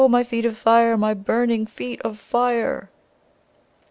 My feet of fire! My burning feet of fire!"